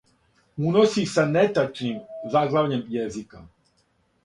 Уноси са нетачним заглављем језика